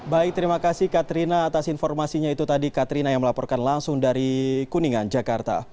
baik terima kasih katrina atas informasinya itu tadi katrina yang melaporkan langsung dari kuningan jakarta